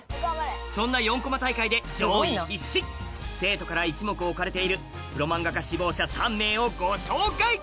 そんな４コマ大会で上位必至生徒から一目置かれているプロマンガ家志望者３名をご紹介！